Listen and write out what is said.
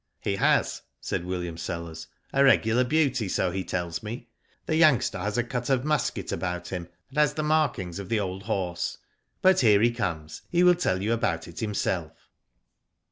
"He has," said William Sellers. "A regular beauty, so he tells me. The youngster has a cut of Musket ^bout bim, and has the markings of the old Digitized byGoogk 266 WHO DID ITf horse. But here he comes, he will tell you about it himself."